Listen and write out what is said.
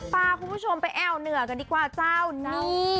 พาคุณผู้ชมไปแอวเหนือกันดีกว่าเจ้านี่